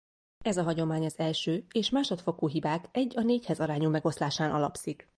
Ez a hagyomány az első és másodfokú hibák egy a négyhez arányú megoszlásán alapszik.